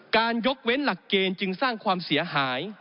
ยกเว้นหลักเกณฑ์จึงสร้างความเสียหาย